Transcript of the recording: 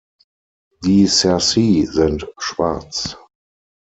Die Cerci sind schwarz.